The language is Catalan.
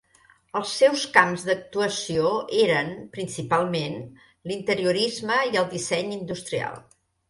Els seus camps d'actuació eren, principalment, l'interiorisme i el disseny industrial.